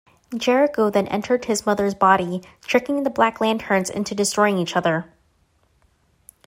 Jericho then entered his mother's body, tricking the Black Lanterns into destroying each other.